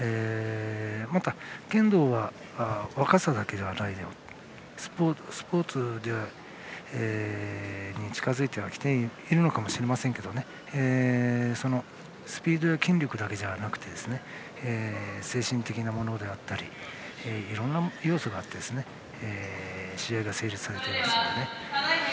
また剣道は若さだけではなくてスポーツに近づいてきているのかもしれませんがスピードや筋力だけじゃなくて精神的なものだったりいろんな要素があって試合が成立しますよね。